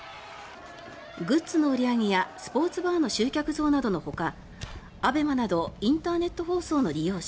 グッズの売り上げやスポーツバーの集客増などのほかＡＢＥＭＡなどインターネット放送の利用者